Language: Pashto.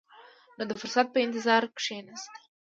نو د فرصت په انتظار کښېناست.